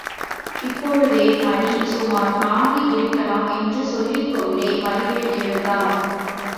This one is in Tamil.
இப்பொழுதே மணி சுமார் நான்கு இருக்கலாம் என்று சொல்லிக்கொண்டே வடிவேல் எழுந்தார்.